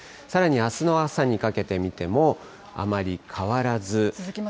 さらにあすの朝にかけてみても、あまり変わらず。